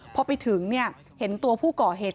พอไปถึงเห็นตัวผู้ก่อเหตุ